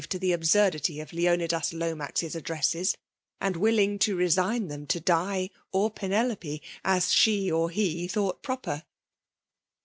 2^3 aixTC fo the absurdity of Leonidas LotnaxVi addresses, and willing to resign them to^Bi or Penelojpe, as she or he thought proper.